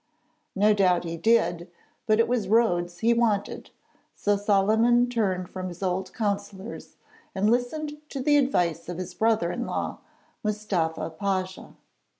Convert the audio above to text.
No doubt he did; but it was Rhodes he wanted, so Solyman turned from his old councillors and listened to the advice of his brother in law, Mustafa Pasha.